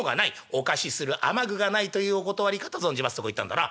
お貸しする雨具がないというお断りかと存じます』とこう言ったんだな」。